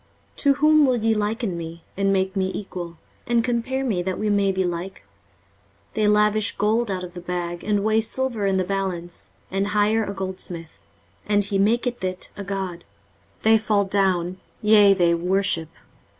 23:046:005 To whom will ye liken me, and make me equal, and compare me, that we may be like? 23:046:006 They lavish gold out of the bag, and weigh silver in the balance, and hire a goldsmith; and he maketh it a god: they fall down, yea, they worship.